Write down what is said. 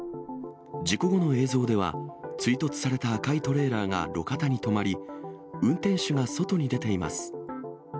事故後の映像では、追突された赤いトレーラーが路肩に止まり、運転手が外に出ています。